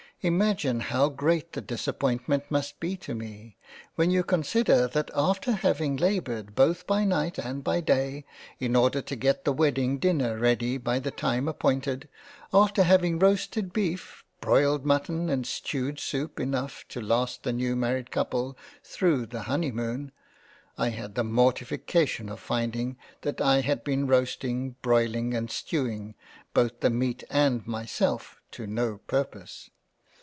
Imagine how great the Dissapointment must be to me, when you consider that after having laboured both by Night and by Day, in order to get the Wedding dinner ready by the time appointed, after having roasted Beef, Broiled Mutton, and Stewed Soup enough to last the ne^ married Couple through the Honey moon, I had the mortifi cation of finding that I had been Roasting, Broiling and Stew ing both the Meat and Myself to no purpose.